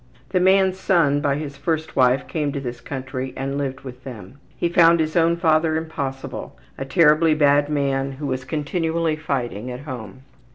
The man's son by his first wife came to this country and lived with them. He found his own father impossible a terribly bad man who was continually fighting at home.